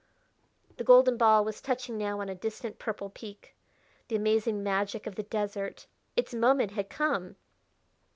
The golden ball was touching now on a distant, purple peak. The amazing magic of the desert! its moment had come!